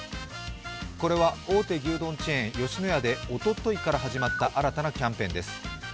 これは大手牛丼チェーン吉野家でおとといから始まった新たなキャンペーンです。